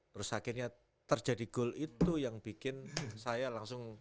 terus akhirnya terjadi goal itu yang bikin saya langsung